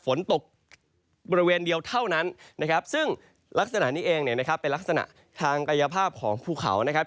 ฝนตกบริเวณเดียวเท่านั้นนะครับซึ่งลักษณะนี้เองเนี่ยนะครับเป็นลักษณะทางกายภาพของภูเขานะครับ